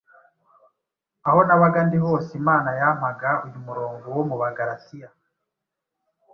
aho nabaga ndi hose Imana yampaga uyu murongo wo mu Bagaratiya